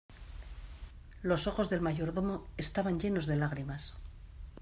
los ojos del mayordomo estaban llenos de lágrimas.